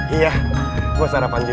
iya gue sarapan juga